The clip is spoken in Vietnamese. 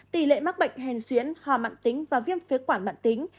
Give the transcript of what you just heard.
tỷ lệ mắc bệnh hèn xuyễn hòa mạng tính và viêm phế quản mạng tính